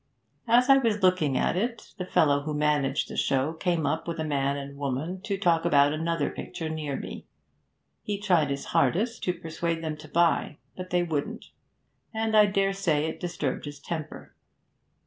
As I was looking at it, the fellow who managed the show came up with a man and woman to talk about another picture near me; he tried his hardest to persuade them to buy, but they wouldn't, and I dare say it disturbed his temper.